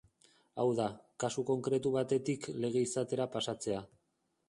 Hau da, kasu konkretu batetik lege izatera pasatzea.